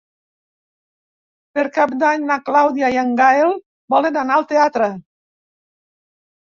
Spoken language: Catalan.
Per Cap d'Any na Clàudia i en Gaël volen anar al teatre.